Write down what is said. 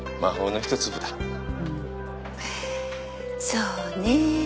そうね。